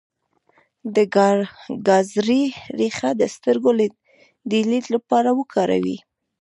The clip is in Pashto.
د ګازرې ریښه د سترګو د لید لپاره وکاروئ